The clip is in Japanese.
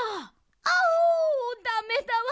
アオーダメだわ。